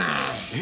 え！